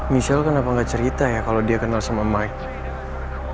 michelle kenapa gak cerita ya kalau dia kenal sama mike